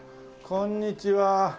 こんにちは。